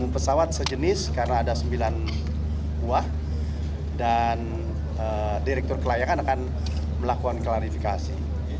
enam pesawat sejenis karena ada sembilan buah dan direktur kelayakan akan melakukan klarifikasi